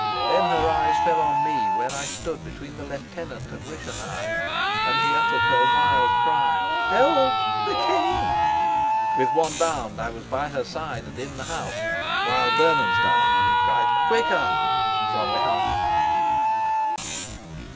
Then her eyes fell on me where I stood between the lieutenant and Rischenheim, and she uttered her wild cry, "Help! The king!" With one bound I was by her side and in the house, while Bernenstein cried, "Quicker!" from behind.